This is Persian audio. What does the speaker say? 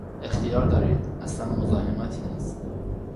اختیار دارید، اصلا مزاحمتی نیست!